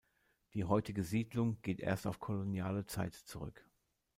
Die heutige Siedlung geht erst auf koloniale Zeit zurück.